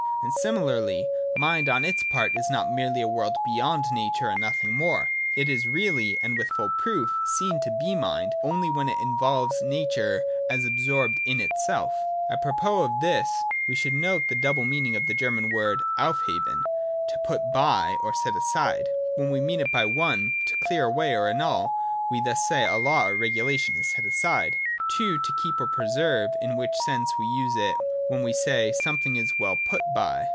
And similarly, Mind on its part is not merely a world beyond Nature and nothing more : it is really, and with full proof, seen to be mind, only when it involves Nature as absorbed in itself. — Apropos of thisTwe should note the double meaning of the German word cmpKben (to put by, or set aside). We mean by it (i) to clear away, or annul; thus, we say, a law or a regulation is set aside : (2) to keep, or preserve : in which sense we use it when we say : something is well put by.